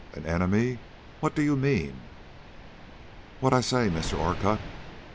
"An enemy? What do you mean?" "What I say, Mr. Orcutt.